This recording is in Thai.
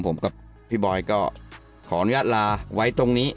ผมกับพี่บอยก็ขออนุญาตลาไว้ตรงนี้